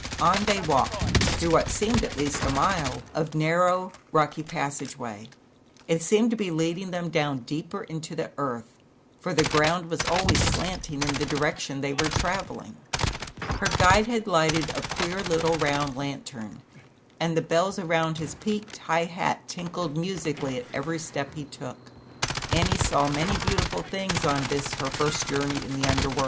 On they walked through what seemed, at least, a mile of narrow, rocky passage way. It seemed to be leading them down deeper into the earth, for the ground was always slanting in the direc tion they were traveling. Her guide had lighted a queer little round lantern, and the bells around his peaked high hat tinkled musically at every step he took. Annie saw many beautiful things on this her first journey in the Under World.